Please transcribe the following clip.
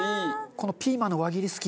このピーマンの輪切り好き。